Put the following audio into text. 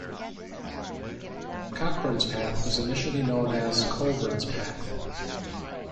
Cockburnspath was initially known as "Kolbrand's Path".